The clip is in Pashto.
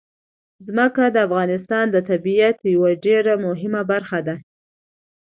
ځمکه د افغانستان د طبیعت یوه ډېره مهمه برخه ده.